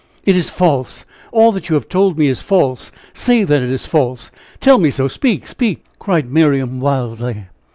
"It is false! all that you have told me is false! say that It is false! tell me so! speak! speak!" cried Miriam, wildly.